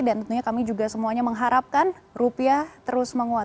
dan tentunya kami juga semuanya mengharapkan rupiah terus menguat